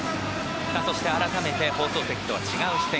そして、改めて放送席とは違う視点